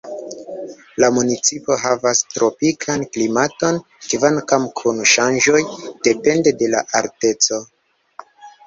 La municipo havas tropikan klimaton kvankam kun ŝanĝoj depende de la alteco.